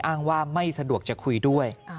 อ้างว่าไม่สะดวกจะคุยด้วย